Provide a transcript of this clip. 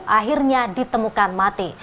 akhirnya ditemukan mati